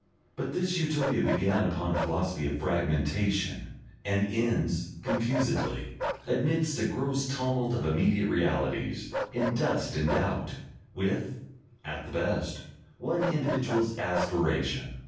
But this Utopia began upon a philosophy of fragmentation, and ends, confusedly, amidst a gross tumult of immediate realities, in dust and doubt, with, at the best, one individual's aspiration.